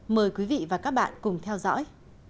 mời quý vị và các bạn cùng theo dõi